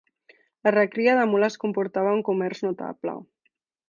La recria de mules comportava un comerç notable.